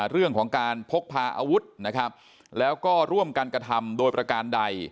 เรื่องของการพกพาอาวุธนะครับแล้วก็ร่วมกันกระทำโดยประการใด